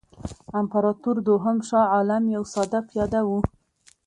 امپراطور دوهم شاه عالم یو ساده پیاده وو.